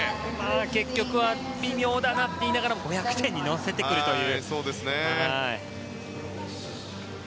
結局は微妙だなと言いながらも５００点に乗せてくるという。